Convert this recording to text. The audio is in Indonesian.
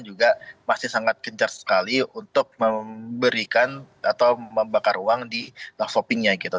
juga masih sangat kencar sekali untuk memberikan atau membakar uang di shoppingnya gitu